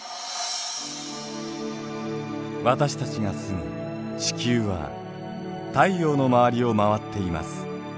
私たちが住む地球は太陽の周りを回っています。